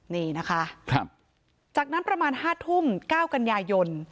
นี่นะคะจากนั้นประมาณ๕ทุ่ม๙กันยายน